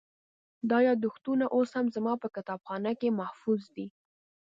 دا یادښتونه اوس هم زما په کتابخانه کې محفوظ دي.